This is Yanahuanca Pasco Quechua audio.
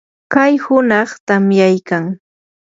kay hunaq tamyaykan.